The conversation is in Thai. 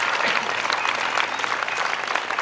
ครับผมอยากได้เงินสบายนะครับ